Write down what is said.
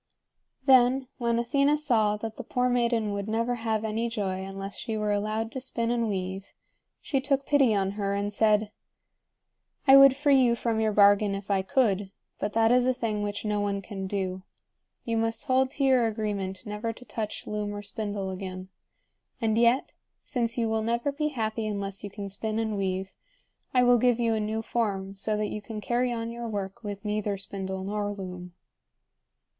Then, when Athena saw that the poor maiden would never have any joy unless she were allowed to spin and weave, she took pity on her and said: "I would free you from your bargain if I could, but that is a thing which no one can do. You must hold to your agreement never to touch loom or spindle again. And yet, since you will never be happy unless you can spin and weave, I will give you a new form so that you can carry on your work with neither spindle nor loom."